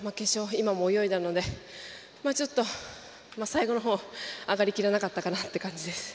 今も泳いだのでちょっと最後のほう上がりきらなかったのかなという感じですね。